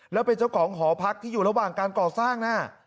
แล้วเป็นเจ้าของหอพักที่อยู่ระหว่างการก่อสร้างน่ะ